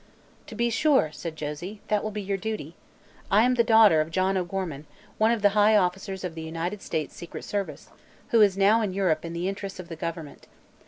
"To be sure," said Josie; "that will be your duty. I am the daughter of John O'Gorman, one of the high officers of the United States Secret Service, who is now in Europe in the interests of the government.